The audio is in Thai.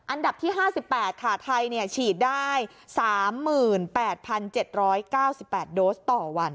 อันดับที่๕๘ค่ะไทยฉีดได้๓๘๗๙๘โดสต่อวัน